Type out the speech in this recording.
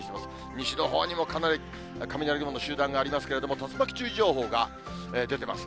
西のほうにもかなり雷雲の集団がありますけれども、竜巻注意情報が出てます。